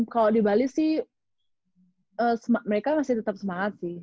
kalau di bali sih mereka masih tetap semangat sih